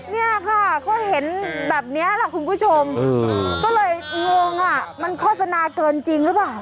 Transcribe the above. เนี่ยค่ะเขาเห็นแบบนี้ล่ะคุณผู้ชมก็เลยงงอ่ะมันโฆษณาเกินจริงหรือเปล่า